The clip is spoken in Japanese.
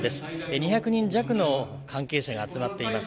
２００人弱の関係者が集まっています。